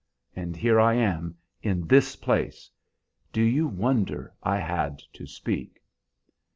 And here I am, in this place! Do you wonder I had to speak?"